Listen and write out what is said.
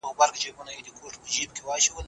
د فرد پوهه د ټولني استثمار مخه نیسي.